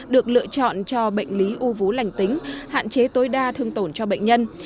được lựa chọn cho bệnh lý u vú lành tính hạn chế tối đa thương tổn cho bệnh nhân